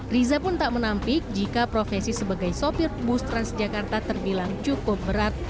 riza pun tak menampik jika profesi sebagai sopir bus transjakarta terbilang cukup berat